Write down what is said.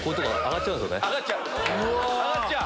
上がっちゃう？